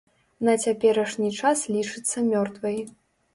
На цяперашні час лічыцца мёртвай.